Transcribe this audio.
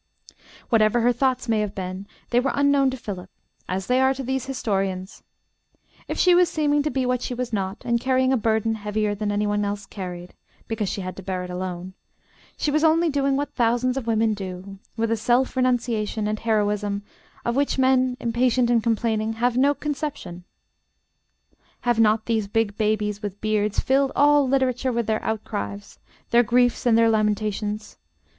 Whatever her thoughts may have been they were unknown to Philip, as they are to these historians; if she was seeming to be what she was not, and carrying a burden heavier than any one else carried, because she had to bear it alone, she was only doing what thousands of women do, with a self renunciation and heroism, of which men, impatient and complaining, have no conception. Have not these big babies with beards filled all literature with their outcries, their griefs and their lamentations?